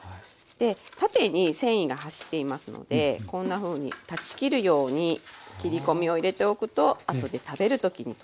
で縦に繊維がはしっていますのでこんなふうに断ち切るように切り込みを入れておくと後で食べる時にとても食べやすくなります。